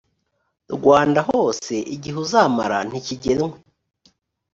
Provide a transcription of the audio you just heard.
rwanda hose igihe uzamara ntikigenwe